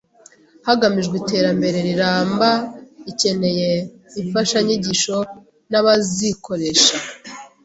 hagamijwe iterambere riramba ikeneye imfashanyigisho n’abazikoresha